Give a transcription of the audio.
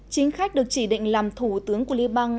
chính khách được chỉ định làm thủ tướng của liên bang